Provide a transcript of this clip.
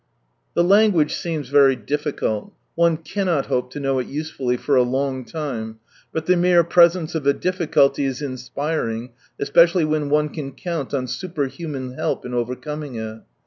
" The language seems very difficult, one cannot hope to know it usefully for a long time, but the mere presence of a difficulty is inspiring, especially when one can count on superhuman help in overcoming it.